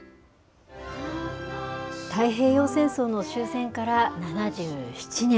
太平洋戦争の終戦から７７年。